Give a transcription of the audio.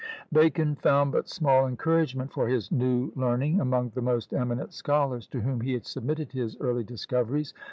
Bacon found but small encouragement for his new learning among the most eminent scholars, to whom he submitted his early discoveries.